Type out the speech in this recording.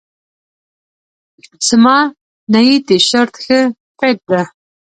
زما نئی تیشرت ښه فټ ده.